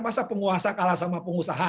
masa penguasa kalah sama pengusaha